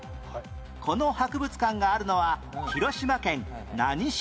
この博物館があるのは広島県何市？